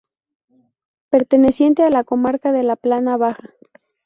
Perteneciente a la comarca de la Plana Baja.